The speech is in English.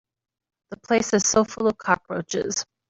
The place is so full of cockroaches.